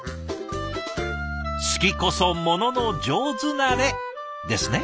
「好きこそ物の上手なれ」ですね。